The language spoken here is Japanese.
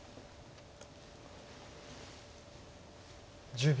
１０秒。